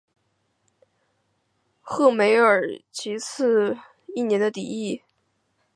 赫梅尔尼茨基试图缓和哥萨克与鞑靼人之间长达一百年的敌意。